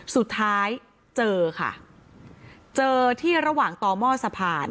สุดท้ายเจอค่ะเจอที่ระหว่างต่อหม้อสะพาน